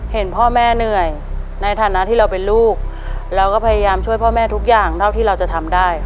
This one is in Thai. เห็นพ่อแม่เหนื่อยในฐานะที่เราเป็นลูกเราก็พยายามช่วยพ่อแม่ทุกอย่างเท่าที่เราจะทำได้